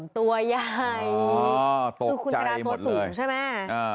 ผมตัวใหญ่ผมตัวใหญ่อ่าตกใจหมดเลยคุณชาดาตัวสูงใช่ไหมอ่า